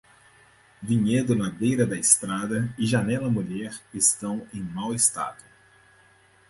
Vinhedo na beira da estrada e janela mulher estão em mau estado.